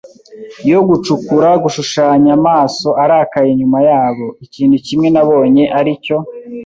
yo gucukura, gushushanya amaso arakaye inyuma yabo. Ikintu kimwe nabonye, aricyo